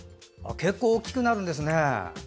結構大きくなるんですね。